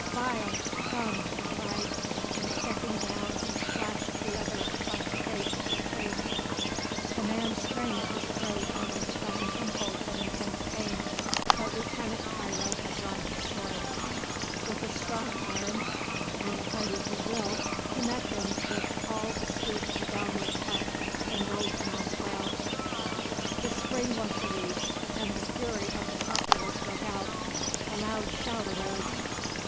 "Vile scum!" he cried, and stepping down he slashed the other across the face with his cane. The man sprang at his throat on the sudden impulse of intense pain. But Lieutenant Tiro had drawn his sword; with a strong arm and a hearty good will he met him with all the sweep of a downward cut, and rolled him on the ground. The spring was released, and the fury of the populace broke out. A loud shout arose.